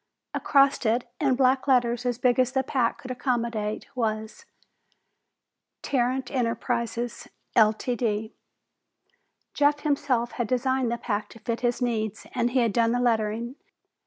Across it, in black letters as big as the pack would accommodate, was: TARRANT ENTERPRISES Ltd. Jeff himself had designed the pack to fit his needs, and he had done the lettering.